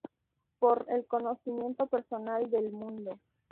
Por el conocimiento personal del mundo.